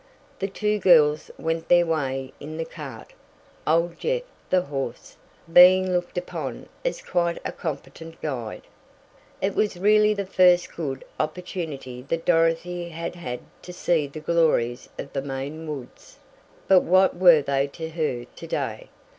The two girls went their way in the cart, old Jeff, the horse, being looked upon as quite a competent guide. It was really the first good opportunity that Dorothy had had to see the glories of the Maine woods, but what were they to her to day?